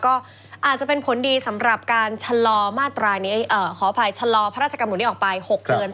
ก็อาจจะเป็นผลดีสำหรับการซ่อนขออภัยซ่อนพระราชกรรมหมุนี่ออกไป๖เดือน